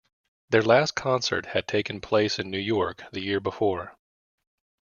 Their last concert had taken place in New York the year before.